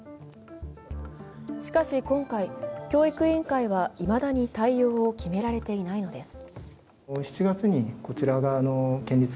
しかし今回、教育委員会はいまだに対応を決められていないのです。